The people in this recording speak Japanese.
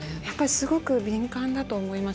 すごく敏感だと思います。